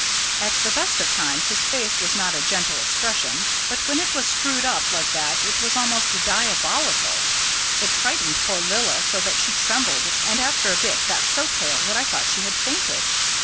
At the best of times his face has not a gentle expression; but when it was screwed up like that it was almost diabolical. It frightened poor Lilla so that she trembled, and after a bit got so pale that I thought she had fainted.